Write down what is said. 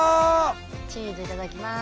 チーズいただきます。